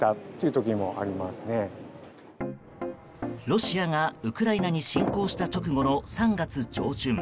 ロシアがウクライナに侵攻した直後の３月上旬